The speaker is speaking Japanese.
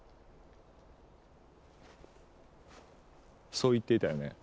そう言っていたよね？